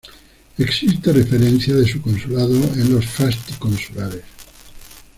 Existe referencia de su consulado en los fasti consulares.